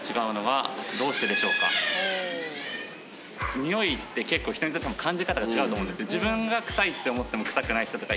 ニオイって結構人によって感じ方が違うと思うんですね。